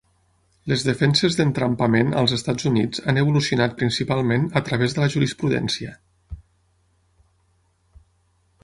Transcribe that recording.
Les defenses d'entrampament als Estats Units han evolucionat principalment a través de la jurisprudència.